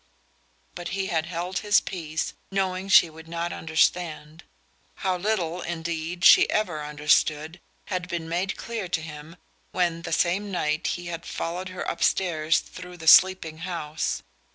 But he had held his peace, knowing she would not understand. How little, indeed, she ever understood, had been made clear to him when, the same night, he had followed her upstairs through the sleeping house.